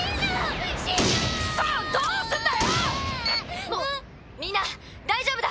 ピッみんな大丈夫だ。